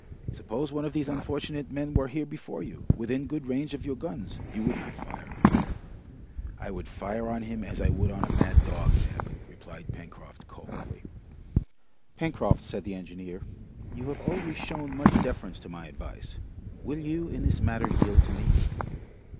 Suppose one of these unfortunate men were here before you, within good range of your guns, you would not fire." "I would fire on him as I would on a mad dog, Neb," replied Pencroft coldly. "Pencroft," said the engineer, "you have always shown much deference to my advice; will you, in this matter, yield to me?"